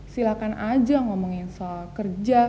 silahkan aja ngomongin soal kerja